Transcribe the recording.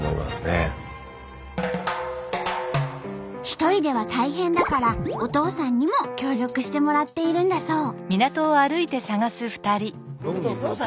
一人では大変だからお父さんにも協力してもらっているんだそう。